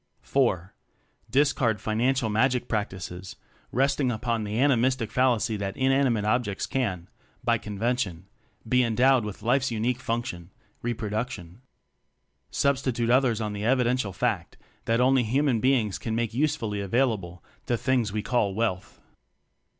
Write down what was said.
(IV) Discard "financial magic" practices resting upon the animistic fallacy that inanimate objects can (by convention) be endowed with life's unique function reproduction; Substitute others on the evidential fact that only human beings can make usefully available the things we call "wealth."